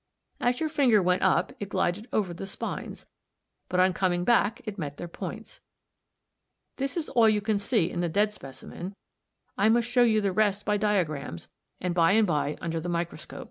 As your finger went up it glided over the spines, but on coming back it met their points. This is all you can see in the dead specimen; I must show you the rest by diagrams, and by and by under the microscope.